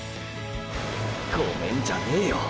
「ごめん」じゃねーよ！！